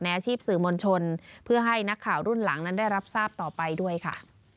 อาชีพสื่อมวลชนเพื่อให้นักข่าวรุ่นหลังนั้นได้รับทราบต่อไปด้วยค่ะ